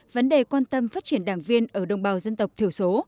vấn đề quan tâm phát triển đảng viên ở đồng bào dân tộc thiểu số